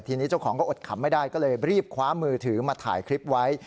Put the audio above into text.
ทีนี้เจ้าของก็อดขำไม่ได้ก็เลยรีบคว้ามือถือมาถ่ายคลิปไว้